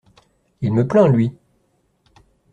Il me plaint, lui!